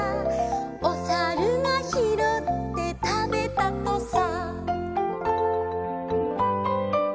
「おさるがひろってたべたとさ」